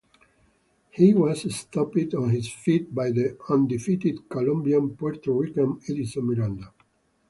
He was stopped on his feet by the undefeated Colombian-Puerto Rican Edison Miranda.